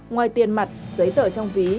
ngoài tiền mặt giấy tờ trong ví